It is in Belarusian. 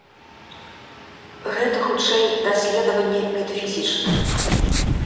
Гэта хутчэй даследаванне метафізічнае.